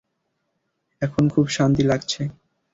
এখন খুব শান্তি লাগছে।